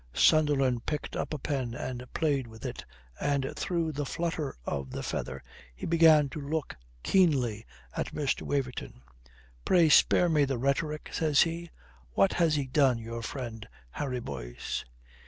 Sunderland picked up a pen and played with it, and through the flutter of the feather he began to look keenly at Mr. Waverton. "Pray spare me the rhetoric," says he. "What has he done, your friend, Harry Boyce?"